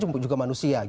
orang juga manusia